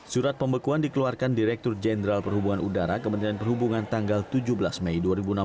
surat pembekuan dikeluarkan direktur jenderal perhubungan udara kementerian perhubungan tanggal tujuh belas mei dua ribu enam belas